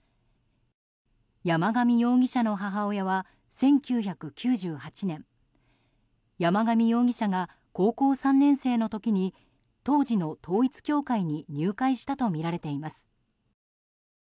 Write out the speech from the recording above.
山上容疑者の母親は、１９９８年山上容疑者が高校３年生の時に当時の統一教会に入会したとみられています。